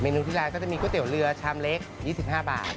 นูที่ร้านก็จะมีก๋วยเตี๋ยวเรือชามเล็ก๒๕บาท